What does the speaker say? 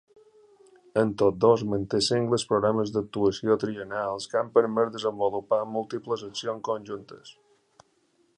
Amb tots dos manté sengles programes d'actuació triennals que han permès desenvolupar múltiples accions conjuntes.